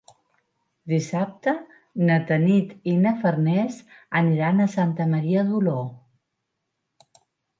Dissabte na Tanit i na Farners aniran a Santa Maria d'Oló.